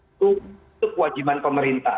itu kewajiban pemerintah